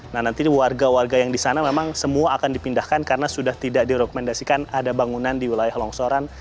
nah nanti warga warga yang di sana memang semua akan dipindahkan karena sudah tidak direkomendasikan ada bangunan di wilayah longsoran